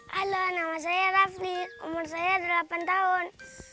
halo nama saya raffi umur saya delapan tahun